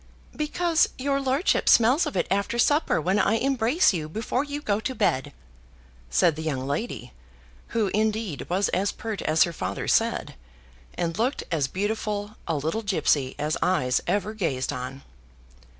"Because your lordship smells of it after supper, when I embrace you before you go to bed," said the young lady, who, indeed, was as pert as her father said, and looked as beautiful a little gipsy as eyes ever gazed on.